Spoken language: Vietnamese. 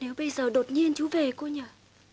nếu bây giờ đột nhiên chú về cô nhờ